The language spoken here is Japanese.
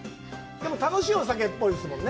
でも楽しいお酒っぽいですもんね。